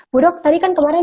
budok tadi kan kemarin